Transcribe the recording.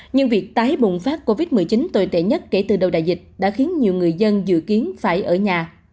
nhưng việc tái bùng phát covid một mươi chín tồi tệ nhất kể từ đầu đại dịch đã khiến nhiều người dân dự kiến phải ở nhà